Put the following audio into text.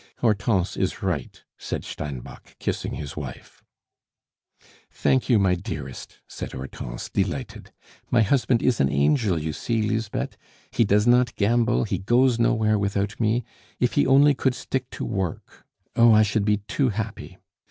"Hortense is right," said Steinbock, kissing his wife. "Thank you, my dearest," said Hortense, delighted. "My husband is an angel, you see, Lisbeth. He does not gamble, he goes nowhere without me; if he only could stick to work oh, I should be too happy.